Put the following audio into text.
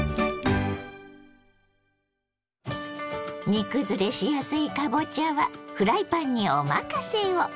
煮崩れしやすいかぼちゃはフライパンにお任せを！